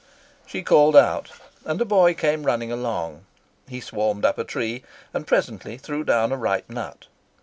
She called out, and a boy came running along. He swarmed up a tree, and presently threw down a ripe nut.